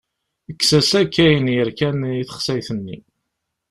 Kkes-as akk ayen yerkan i texsayt-nni.